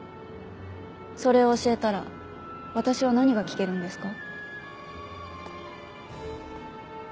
それを教えたら私は何が聞けるんですか？